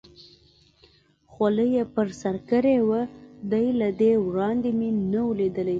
خولۍ یې پر سر کړې وه، دی له دې وړاندې مې نه و لیدلی.